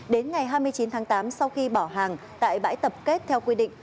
đến ngày hai mươi chín tháng tám sau khi bỏ hàng tại bãi tập kết theo quy định